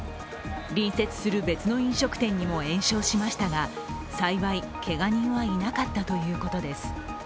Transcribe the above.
隣接する別の飲食店にも延焼しましたが幸い、けが人はいなかったということです。